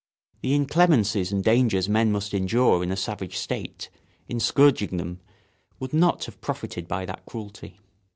The inclemencies and dangers men must endure in a savage state, in scourging them, would not have profited by that cruelty.